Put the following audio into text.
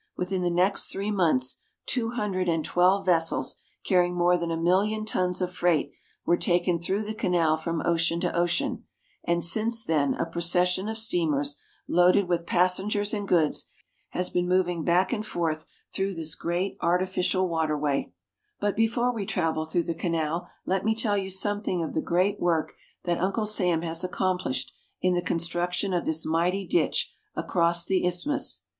Within the next three months two hundred and twelve vessels, carrying more than a million tons of freight, were taken through the canal from ocean to ocean ; and since then a procession of steamers, loaded with passengers and goods, has been mov ing back and forth through this great artificial waterway. ISTHMUS OF PANAMA 21 But before we travel through the canal let me tell you something of the great work that Uncle Sam has accomplished in the construction of this mighty ditch across the isthmus.